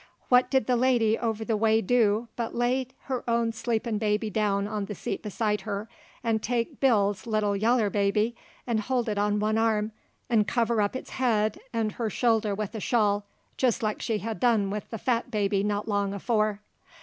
What did the lady over the way do but lay her own sleepin' baby down on the seat beside her 'nd take Bill's little yaller baby 'nd hold it on one arm 'nd cover up its head 'nd her shoulder with a shawl, jist like she had done with the fat baby not long afore.